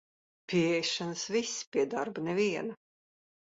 Pie ēšanas visi, pie darba neviena.